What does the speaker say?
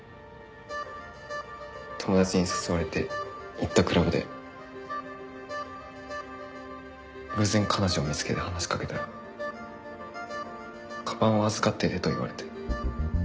友達に誘われて行ったクラブで偶然彼女を見つけて話しかけたらかばんを預かっててと言われて。